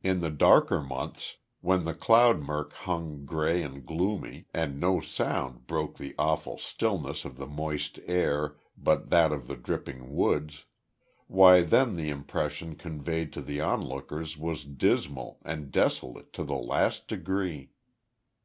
In the darker months, when the cloud murk hung grey and gloomy, and no sound broke the awful stillness of the moist air but that of the dripping woods, why then the impression conveyed to the onlookers was dismal and desolate to the last degree.